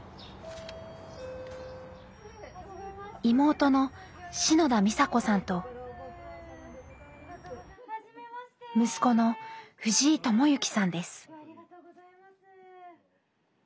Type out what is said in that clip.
妹の篠田美紗子さんと息子の藤井智幸さんです。